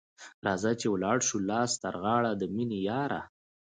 راځه چي ولاړ سو لاس تر غاړه ، د میني یاره